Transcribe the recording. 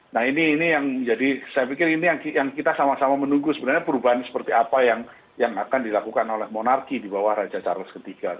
nah ini yang menjadi saya pikir ini yang kita sama sama menunggu sebenarnya perubahan seperti apa yang akan dilakukan oleh monarki di bawah raja charles iii